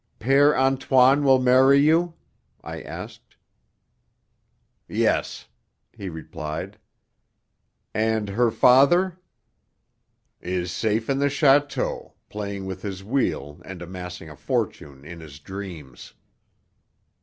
"Père Antoine will marry you?" I asked. "Yes," he replied. "And her father?" "Is safe in the château, playing with his wheel and amassing a fortune in his dreams."